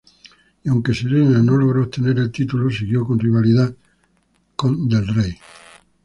Y aunque Serena no logró obtener el título siguió con rivalidad con Del Rey.